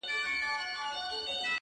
د څڼور سندرې چي په زړه کي اوسي!!